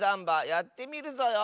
やってみるぞよ。